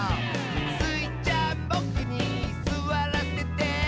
「スイちゃんボクにすわらせて？」